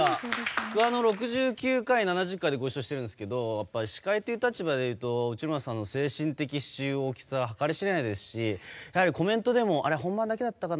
僕は６９回、７０回でご一緒しているんですけど司会という立場でいうと内村さんの精神的支柱の大きさは計り知れないですしコメントでもあれ本番だけだったかな？